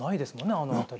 あの辺り。